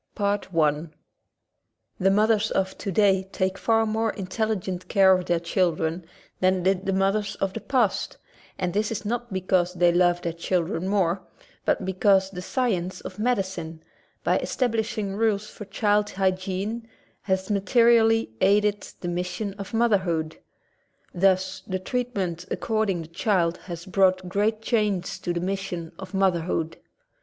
Rome, Italy The mothers of today take far more intelli gent care of their children than did the mothers of the past, and this is not because they love their children more but because the science of medicine, by establishing rules for child hygiene, has materially aided the mis sion of motherhood. Thus the treatment ac corded the child has brought great change to the mission of motherhood.